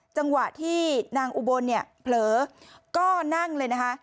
จังหวะที่นางอุบลเนี่ยเผลอก็นั่งเลยนะคะ